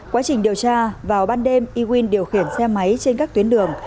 quá trình điều tra vào ban đêm ewin điều khiển xe máy trên các tuyến đường